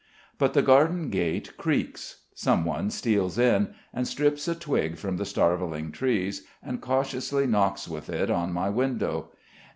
But the garden gate creaks; someone steals in, and strips a twig from the starveling trees, and cautiously knocks with it on my window.